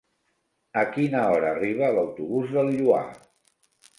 A quina hora arriba l'autobús del Lloar?